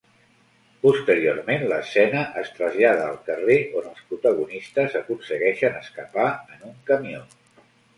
Posteriorment l'escena es trasllada al carrer on els protagonistes aconsegueixen escapar en un camió.